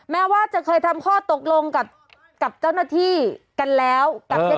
แม้ว่าจะเคยทำข้อตกลงกับเจ้าหน้าที่กันแล้วกับ